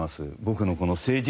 僕のこの。